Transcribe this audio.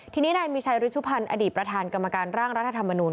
ทีนี้นายมีชัยฤชุพันธ์อดีตประธานกรรมการร่างรัฐธรรมนุน